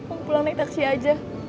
oh pulang naik taksi aja